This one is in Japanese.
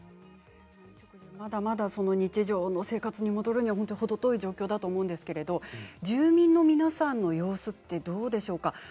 まだまだ日常の生活に戻るには程遠い状況だと思うんですが住民の皆さんの様子はどうですか。